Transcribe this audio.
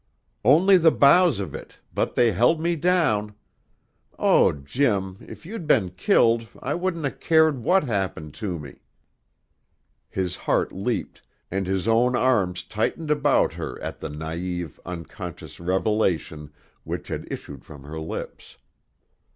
"Only the boughs of it, but they held me down. Oh, Jim, if you'd been killed I wouldn't 'a' cared what happened to me!" His heart leaped, and his own arms tightened about her at the naïve, unconscious revelation which had issued from her lips.